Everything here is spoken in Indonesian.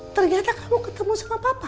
ternyata kamu ketemu sama papa